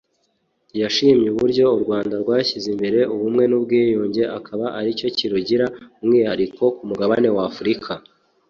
yashimye uburyo u Rwanda rwashyize imbere ubumwe n’ubwiyunge akaba ari cyo kirugira umwihariko ku mugabane w’Afurika